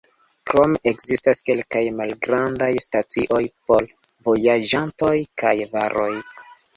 Krome ekzistas kelkaj malgrandaj stacioj por vojaĝantoj kaj varoj.